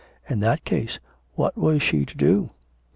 In that case what was she to do?